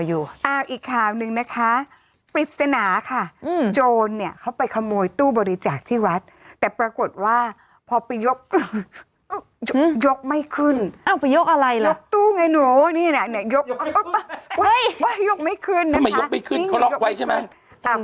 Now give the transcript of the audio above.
โอ้นี่เนี่ยยกไม่ขึ้นยกไม่ขึ้นทำไมยกไม่ขึ้นเขาล็อกไว้ใช่ไหม